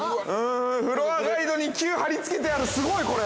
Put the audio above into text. フロアガイドに、Ｑ張りつけてある、すごいこれ！